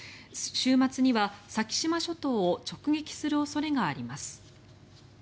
週末には、先島諸島を直撃する恐れがあります。